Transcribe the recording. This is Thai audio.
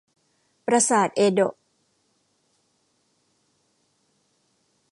ปราสาทเอโดะ